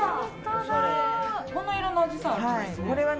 こんな色のアジサイあるんですね。